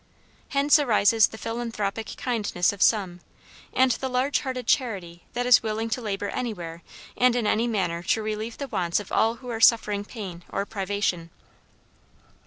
Hence arises the philanthropic kindness of some, and the large hearted charity that is willing to labor anywhere and in any manner to relieve the wants of all who are suffering pain or privation.